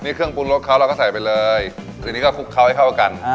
นี่เครื่องปรุงรสเขาเราก็ใส่ไปเลยทีนี้ก็คลุกเคล้าให้เข้ากัน